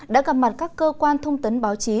đã gặp mặt các cơ quan thông tấn báo chí